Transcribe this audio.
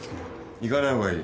行かないほうがいい。